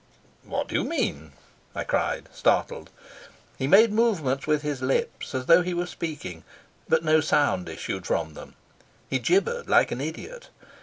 "What do you mean?" I cried, startled. He made movements with his lips as though he were speaking, but no sound issued from them. He gibbered like an idiot.